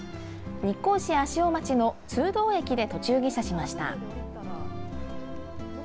日光市足尾町の通洞駅で途中下車しました。